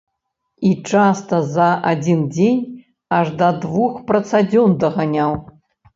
І часта за адзін дзень аж да двух працадзён даганяў!